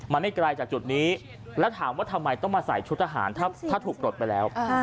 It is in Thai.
มันไม่ไกลจากจุดนี้แล้วถามว่าทำไมต้องมาใส่ชุดทหารถ้าถูกปลดไปแล้ว